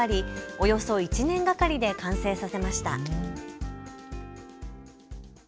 およそ１年がかりで完成させました。